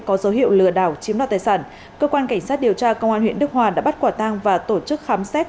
có dấu hiệu lừa đảo chiếm đoạt tài sản cơ quan cảnh sát điều tra công an huyện đức hòa đã bắt quả tang và tổ chức khám xét